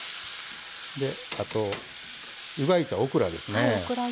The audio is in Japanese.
あとは湯がいたオクラですね。